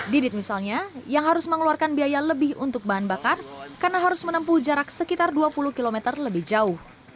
didit misalnya yang harus mengeluarkan biaya lebih untuk bahan bakar karena harus menempuh jarak sekitar dua puluh km lebih jauh